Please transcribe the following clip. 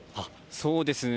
そうですね。